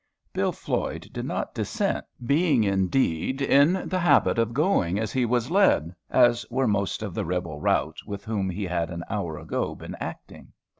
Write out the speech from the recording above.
Bill Floyd did not dissent, being indeed in the habit of going as he was led, as were most of the "rebel rout" with whom he had an hour ago been acting.